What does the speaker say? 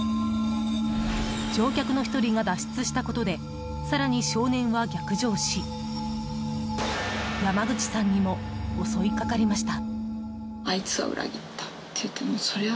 乗客の１人が脱出したことで更に少年は逆上し山口さんにも襲いかかりました。